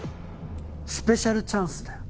スペシャルチャンスだよ。